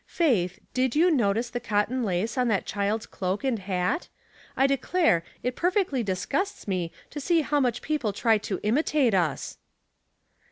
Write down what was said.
Faith, did yoa notice the cotton lace on thit child's cloak and hat? I de clare, it perfectly disgusts me to see how such people try to i^r/ltate us."